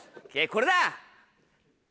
これだ！